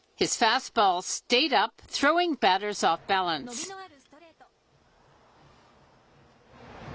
伸びのあるストレート。